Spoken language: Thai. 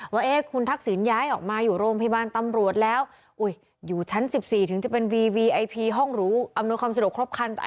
ว่าคุณทักษิณย้ายออกมาอยู่โรงพยาบาลตำรวจแล้วอยู่ชั้น๑๔ถึงจะเป็นวีวีไอพีห้องหรูอำนวยความสะดวกครบคัน